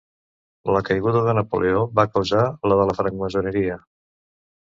La caiguda de Napoleó va causar la de la francmaçoneria.